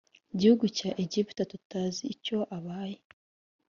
gihugu cya egiputa tutazi icyo abaye